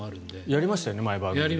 やりましたよね。